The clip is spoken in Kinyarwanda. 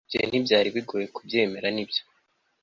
Ibyo ntibyari bigoye kubyemera nibyo